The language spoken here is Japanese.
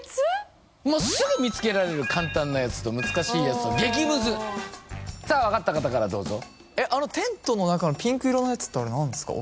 もうすぐ見つけられる簡単なやつと難しいやつと激ムズさあ分かった方からどうぞあのテントの中のピンク色のやつってあれ何ですか？